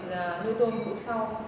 nuôi tôm vụ sau